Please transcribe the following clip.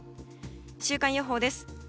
週間予報です。